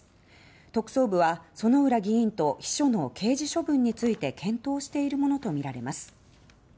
特捜部は、薗浦議員と秘書の刑事処分について検討しているものとみられます。